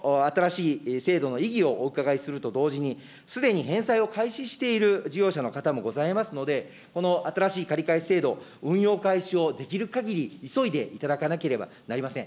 そこでまずこの新しい制度の意義をお伺いすると同時に、すでに返済を開始している事業者の方もございますので、この新しい借り換え制度、運用開始をできるかぎり急いでいただかなければなりません。